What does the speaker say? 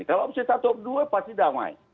kalau opsi satu opsi dua pasti damai